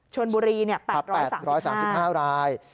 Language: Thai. ชนบุรี๘๘๓๕ราย